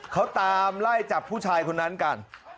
เขาตามไล่จับผู้ชายคนนั้นกัน